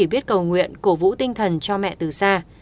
viết cầu nguyện cổ vũ tinh thần cho mẹ từ xa